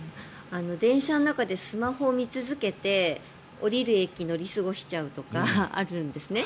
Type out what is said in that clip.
電車の中でスマホを見続けて降りる駅を乗り過ごしちゃうとかあるんですね。